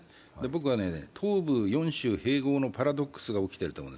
僕は、東部４州併合のパラドックスが起きてると思う。